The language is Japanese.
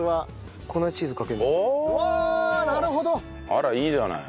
あらいいじゃない。